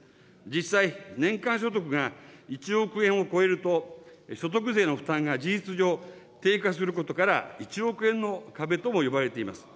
実際、年間所得が１億円を超えると、所得税の負担が事実上、低下することから、１億円の壁とも呼ばれています。